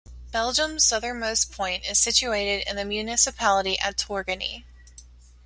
Belgium's southernmost point is situated in the municipality, at Torgny.